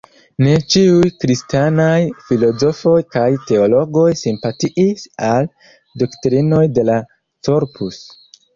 Ne ĉiuj kristanaj filozofoj kaj teologoj simpatiis al doktrinoj de la "Corpus".